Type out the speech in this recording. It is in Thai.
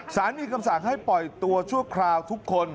สารมีคำสั่งให้ปล่อยตัวชั่วคราวทุกคน